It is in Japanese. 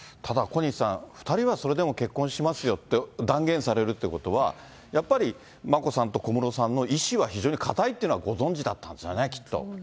小西さん、２人はそれでも結婚しますよって、断言されるってことは、やっぱり眞子さんと小室さんの意思は非常に固いというのはご存じそうなんでしょうね。